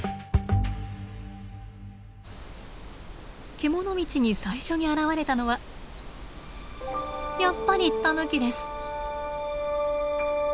獣道に最初に現れたのはやっぱりタヌキです。